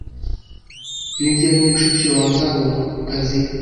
"Ni ryari mushiki wawe azagaruka ku kazi?"